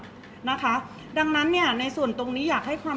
เพราะว่าสิ่งเหล่านี้มันเป็นสิ่งที่ไม่มีพยาน